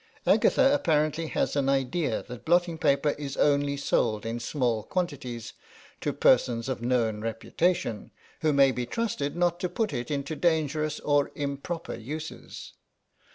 Agatha apparently has an idea that blotting paper is only sold in small quantities to persons of known reputation, who may be trusted not to put it to dangerous or improper uses.